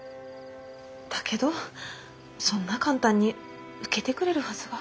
だけどそんな簡単に受けてくれるはずが。